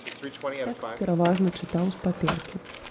Тэкст пераважна чытаў з паперкі.